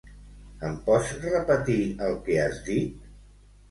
Em pots repetir el que has dit?